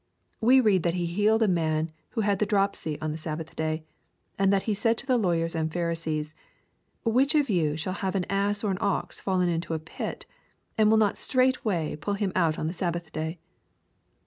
We read that he healed a man who had the dropsy on the Sabbath day, and then said to the lawyers and Pharisees, *' Which of you shall have an ass or an ox fallen into a pit, and will not straightway pull him out on the Sabbath day